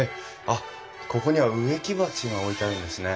あっここには植木鉢が置いてあるんですね。